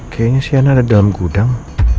kayaknya siana ada dalam gudang